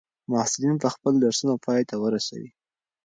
محصلین به خپل درسونه پای ته ورسوي.